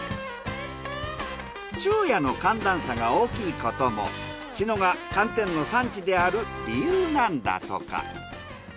昼夜の寒暖差が大きいことも茅野が寒天の産地である理由なんだとか。